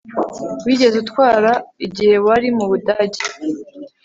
Wigeze utwara igihe wari mu Budage